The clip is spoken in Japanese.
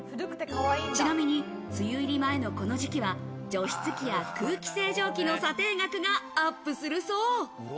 ちなみに梅雨入り前のこの時期は除湿機や空気清浄機の査定額がアップするそう。